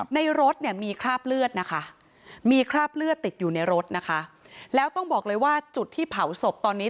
ในรถมีคราบเลือดติดอยู่ในรถแล้วต้องบอกเลยว่าจุดที่เผาศพตอนนี้